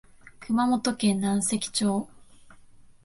熊本県南関町